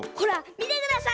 みてください！